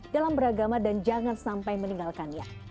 dalam beragama dan jangan sampai meninggalkannya